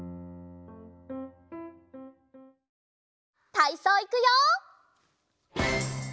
たいそういくよ！